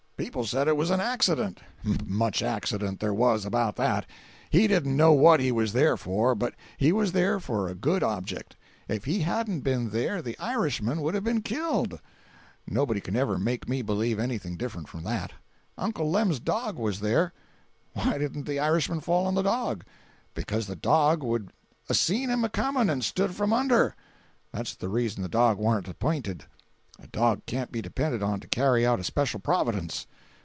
People said it was an accident. Much accident there was about that. He didn't know what he was there for, but he was there for a good object. If he hadn't been there the Irishman would have been killed. Nobody can ever make me believe anything different from that. Uncle Lem's dog was there. Why didn't the Irishman fall on the dog? Becuz the dog would a seen him a coming and stood from under. That's the reason the dog warn't appinted. A dog can't be depended on to carry out a special providence.